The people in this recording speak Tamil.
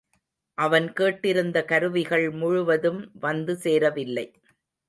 அவன் கேட்டிருந்த கருவிகள் முழுவதும் வந்து சேரவில்லை.